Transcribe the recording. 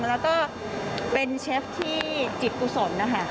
แล้วก็เป็นเชฟที่จิตกุศลนะคะ